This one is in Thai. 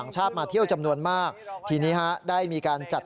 ใช่ครับ